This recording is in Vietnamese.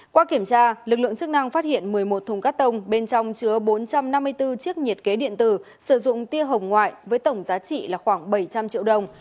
qua kiểm tra lực lượng chức năng phát hiện một mươi một thùng cắt tông bên trong chứa bốn trăm năm mươi bốn chiếc nhiệt kế điện tử sử dụng tia hồng ngoại với tổng giá trị là khoảng bảy trăm linh triệu đồng